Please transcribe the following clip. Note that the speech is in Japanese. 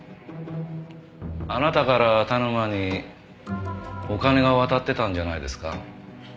あなたから田沼にお金が渡ってたんじゃないですか？